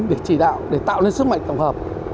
việc chỉ đạo để tạo lên sức mạnh tổng hợp